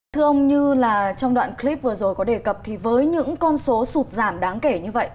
thưa ông như là trong đoạn clip vừa rồi có đề cập thì với những con số sụt giảm đáng kể như vậy